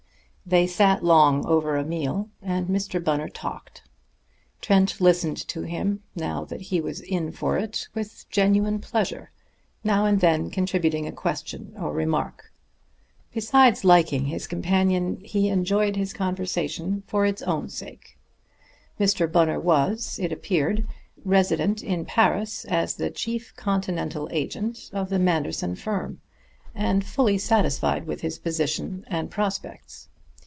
They sat long over a meal, and Mr. Bunner talked. Trent listened to him, now that he was in for it, with genuine pleasure, now and then contributing a question or remark. Besides liking his companion, he enjoyed his conversation for its own sake. Mr. Bunner was, it appeared, resident in Paris as the chief Continental agent of the Manderson firm, and fully satisfied with his position and prospects.